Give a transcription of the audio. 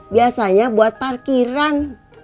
biasanya buat parkiran